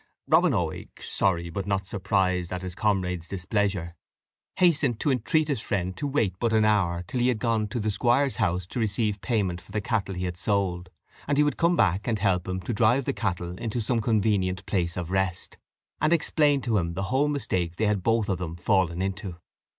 Robin Oig, sorry but not surprised at his comrade's displeasure, hastened to entreat his friend to wait but an hour till he had gone to the squire's house to receive payment for the cattle he had sold, and he would come back and help him to drive the cattle into some convenient place of rest, and explain to him the whole mistake they had both of them fallen into.